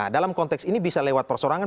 dalam konteks ini bisa lewat persorangan